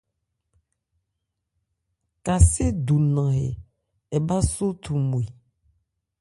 Kasé du nan hɛ ɛ bhâ só thumwe.